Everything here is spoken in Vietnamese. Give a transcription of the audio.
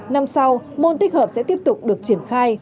năm sau môn tích hợp sẽ tiếp tục được triển khai